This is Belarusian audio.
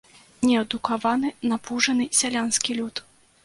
Неадукаваны, напужаны сялянскі люд.